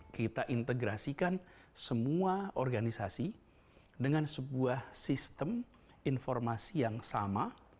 kita integrasikan semua organisasi dengan sebuah sistem informasi yang sama